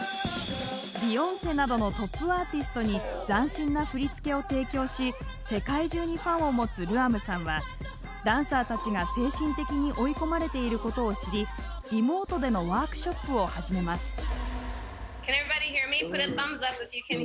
ビヨンセなどのトップアーティストに斬新な振り付けを提供し世界中にファンを持つルアムさんはダンサーたちが精神的に追い込まれていることを知りリモートでのワークショップを始めます。